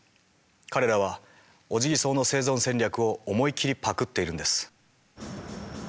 彼らはオジギソウの生存戦略を思い切りパクっているんです。